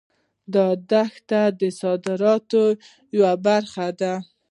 دا دښتې د صادراتو یوه برخه ده.